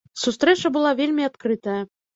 Сустрэча была вельмі адкрытая.